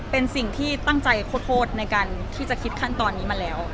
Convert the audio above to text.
เป็นสิ่งที่ตั้งใจโคตรในการที่จะคิดขั้นตอนนี้มาแล้ว